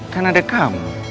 kan ada kamu